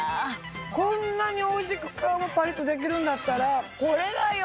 こんなにおいしく皮がパリっとできるんだったらこれだよ！